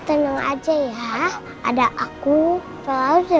taruh dia panggil